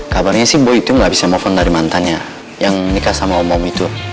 kabarnya sih boy itu gak bisa mofon dari mantannya yang nikah sama om om itu